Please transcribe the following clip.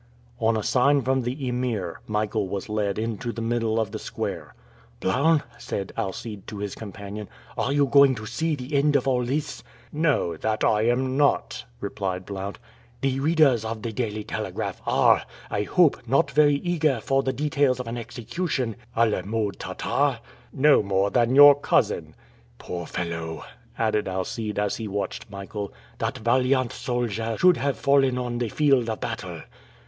On a sign from the Emir, Michael was led into the middle of the square. "Blount," said Alcide to his companion, "are you going to see the end of all this?" "No, that I am not," replied Blount. "The readers of the Daily Telegraph are, I hope, not very eager for the details of an execution a la mode Tartare?" "No more than your cousin!" "Poor fellow!" added Alcide, as he watched Michael. "That valiant soldier should have fallen on the field of battle!"